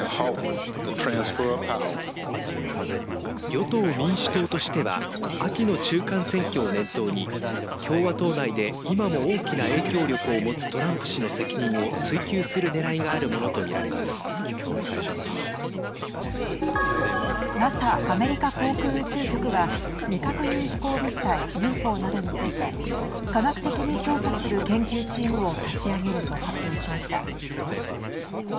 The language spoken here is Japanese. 与党・民主党としては秋の中間選挙を念頭に共和党内で、今も大きな影響力を持つトランプ氏の責任を追及するねらいがＮＡＳＡ＝アメリカ航空宇宙局は未確認飛行物体・ＵＦＯなどについて科学的に調査する研究チームを立ち上げると発表しました。